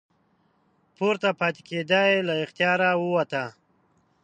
پورته پاتې کیدا یې له اختیاره ووته.